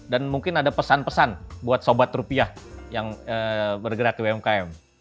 dan mungkin ada pesan pesan buat sobat rupiah yang bergerak di umkm